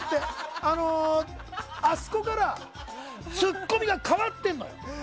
あそこからツッコミが変わってるのよ。